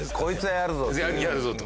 やるぞと。